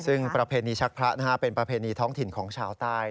ซึ่งประเพณีชักพระเป็นประเพณีท้องถิ่นของชาวใต้